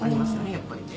やっぱり。